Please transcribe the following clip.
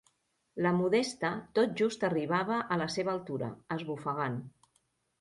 La Modesta tot just arribava a la seva altura, esbufegant.